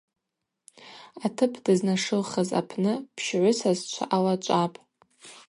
Атып дызнашылхыз апны пщгӏвысасчва алачӏвапӏ.